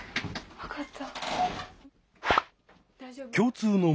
分かった。